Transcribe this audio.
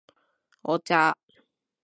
お茶